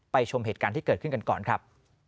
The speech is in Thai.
ชมเหตุการณ์ที่เกิดขึ้นกันก่อนครับ